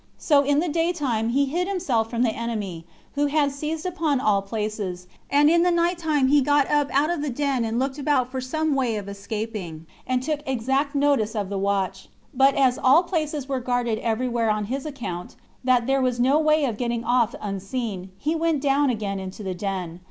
So in the day time he hid himself from the enemy, who had seized upon all places, and in the night time he got up out of the den and looked about for some way of escaping, and took exact notice of the watch; but as all places were guarded every where on his account, that there was no way of getting off unseen, he went down again into the den.